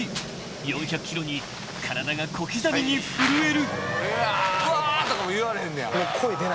［４００ｋｇに体が小刻みに震える］